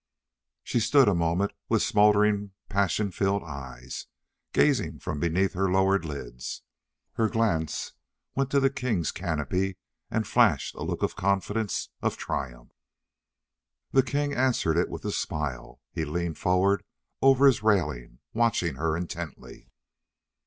She stood a moment with smoldering, passion filled eyes, gazing from beneath her lowered lids. Her glance went to the king's canopy, and flashed a look of confidence, of triumph. The king answered it with a smile. He leaned forward over his railing, watching her intently.